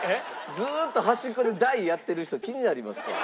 ずっと端っこで大やってる人気になりますわ。